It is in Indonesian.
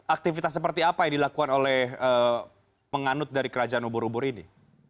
aktivitas seperti apa yang dilakukan oleh penganut dari kerajaan ubur ubur ini